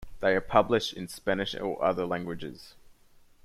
They are published in Spanish or other languages.